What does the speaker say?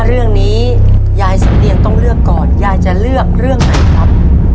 เรื่องนี้ยายสำเนียงต้องเลือกก่อนยายจะเลือกเรื่องไหนครับ